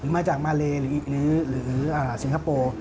มาจากมาเลหรือสิงคโปร์